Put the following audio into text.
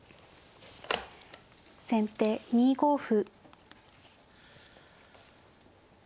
先手２五歩。